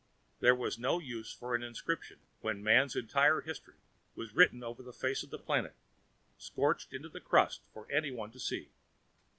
There was no use for an inscription when Man's entire history was written over the face of the planet, scorched into the crust for anyone to see.